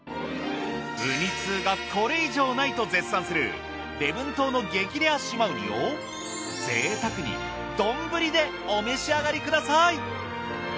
ウニ通がこれ以上ないと絶賛する礼文島の激レア島ウニをぜいたくに丼でお召し上がりください。